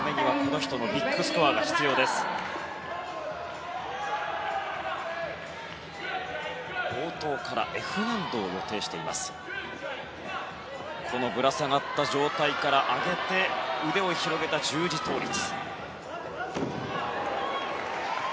ぶら下がった状態から上げて腕を広げた十字倒立。